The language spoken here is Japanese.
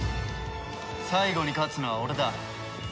最後に勝つのは俺だ。